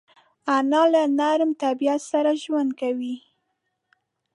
انا له نرم طبیعت سره ژوند کوي